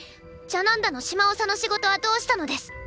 ジャナンダの島長の仕事はどうしたのです？